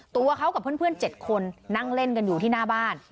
ตัวเขากับเพื่อน๗คนนั่งเล่นกันอยู่ที่หน้าบ้าน